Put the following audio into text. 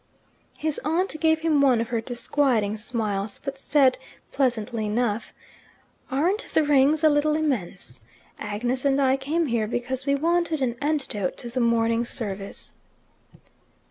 His aunt gave him one of her disquieting smiles, but said pleasantly enough, "Aren't the Rings a little immense? Agnes and I came here because we wanted an antidote to the morning service."